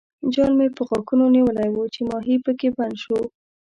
جال مې په غاښونو نیولی وو چې ماهي پکې بند شو.